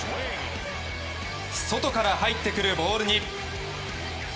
外から入ってくるボールに。